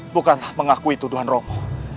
bukanlah mengakui tuduhan romo